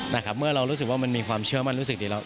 นะครับเมื่อเรารู้สึกว่ามันมีความเชื่อมั่นรู้สึกดีแล้ว